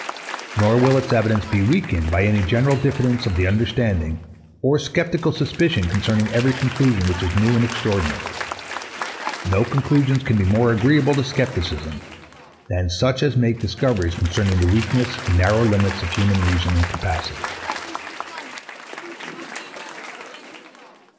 Nor will its evidence be weakened by any general diffidence of the understanding, or sceptical suspicion concerning every conclusion which is new and extraordinary. No conclusions can be more agreeable to scepticism than such as make discoveries concerning the weakness and narrow limits of human reason and capacity.